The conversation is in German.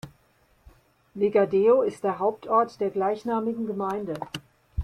Vegadeo ist der Hauptort der gleichnamigen Gemeinde.